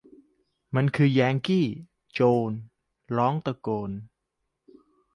มันคือแยงกี้ โจนร้องตะโกน